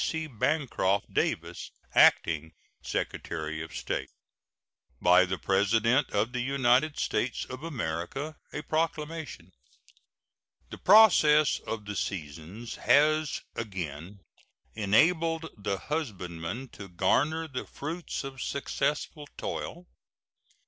C. BANCROFT DAVIS, Acting Secretary of State. BY THE PRESIDENT OF THE UNITED STATES OF AMERICA. A PROCLAMATION. The process of the seasons has again enabled the husbandman to garner the fruits of successful toil.